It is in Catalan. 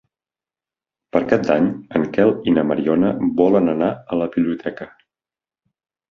Per Cap d'Any en Quel i na Mariona volen anar a la biblioteca.